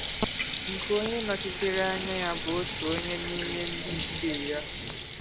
nke onye nọchitere anya ya bụ otu onye n'ime ndị ichie ya